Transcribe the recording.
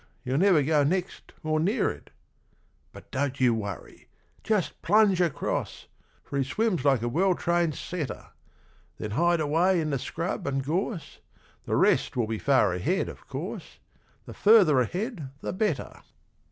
He'll never go next or near it. 'But don't you worry just plunge across, For he swims like a well trained setter. Then hide away in the scrub and gorse The rest will be far ahead of course The further ahead the better.